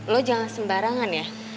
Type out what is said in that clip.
lo jangan sembarangan ya